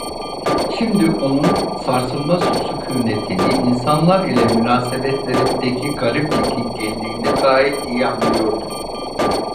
Şimdi onun sarsılmaz sükûnetini, insanlar ile münasebetlerindeki garip çekingenliğini gayet iyi anlıyordum.